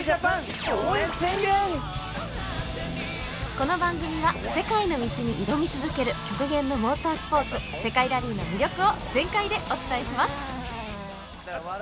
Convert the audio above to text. この番組は世界の道に挑み続ける極限のモータースポーツ世界ラリーの魅力を全開でお伝えします。